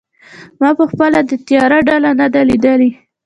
ما پخپله د تیراه ډله نه ده لیدلې.